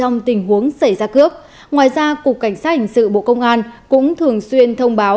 ngoài ra cục cảnh sát hình sự bộ công an cũng thường xuyên thông báo